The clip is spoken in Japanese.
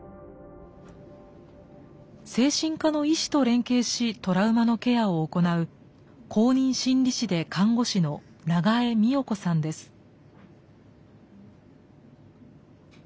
精神科の医師と連携しトラウマのケアを行う公認心理師で看護師の長江美代子さんです。